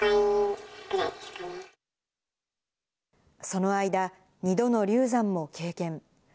その間、２度の流産も経験。